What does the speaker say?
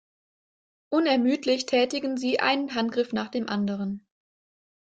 Unermüdlich tätigen sie einen Handgriff nach dem anderen.